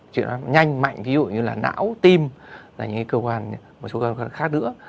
chuyển hóa nhanh mạnh ví dụ như là não tim là những cơ quan khác nữa